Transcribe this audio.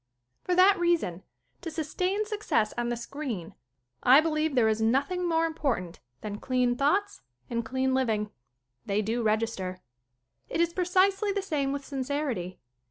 For that reason to sustain suc cess on the screen I believe there is nothing more important than clean thoughts and clean living. They do register. It is precisely the same with sincerity.